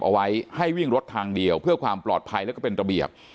เอาไว้ให้วิ่งรถทางเดียวเพื่อความปลอดภัยแล้วก็เป็นระเบียบ